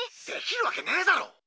できるわけねえだろ！